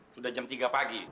sudah jam tiga pagi